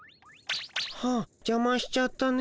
はっじゃましちゃったね。